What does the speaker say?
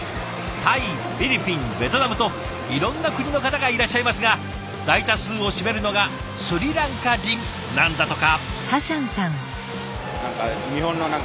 タイフィリピンベトナムといろんな国の方がいらっしゃいますが大多数を占めるのがスリランカ人なんだとか。